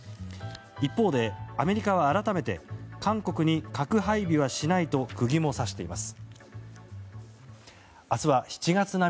一方でアメリカは改めて韓国に核配備はしないと釘も刺しています。